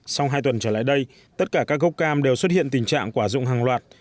sau hai tuần trở lại đây tất cả các gốc cam đều xuất hiện tình trạng quả dụng hàng loạt